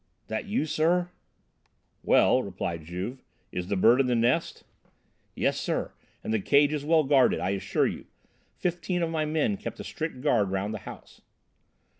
"That you, sir?" "Well," replied Juve, "is the bird in the nest?" "Yes, sir, and the cage is well guarded, I assure you. Fifteen of my men kept a strict guard round the house."